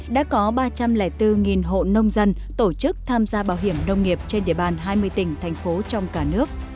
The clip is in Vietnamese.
đã có ba trăm linh bốn hộ nông dân tổ chức tham gia bảo hiểm nông nghiệp trên địa bàn hai mươi tỉnh thành phố trong cả nước